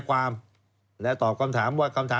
ก็ยอมความว่าได้แต่